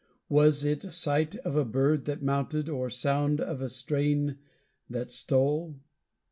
Was it sight of a bird that mounted, or sound of a strain that stole?